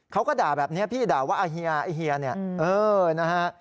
เขาก็ด่าแบบนี้พี่ด่าว่าเฮียไอ้เฮียเนี่ยเออนะฮะ